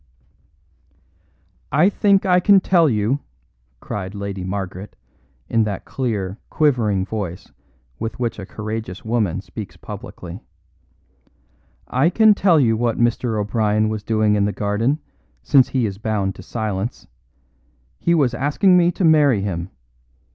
"I think I can tell you," cried Lady Margaret, in that clear, quivering voice with which a courageous woman speaks publicly. "I can tell you what Mr. O'Brien was doing in the garden, since he is bound to silence. He was asking me to marry him.